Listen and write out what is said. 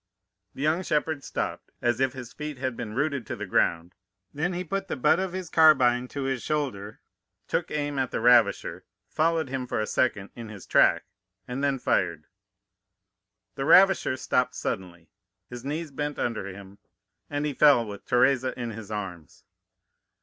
The young shepherd stopped, as if his feet had been rooted to the ground; then he put the butt of his carbine to his shoulder, took aim at the ravisher, followed him for a second in his track, and then fired. "The ravisher stopped suddenly, his knees bent under him, and he fell with Teresa in his arms.